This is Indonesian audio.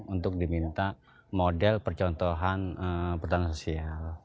untuk diminta model percontohan pertahanan sosial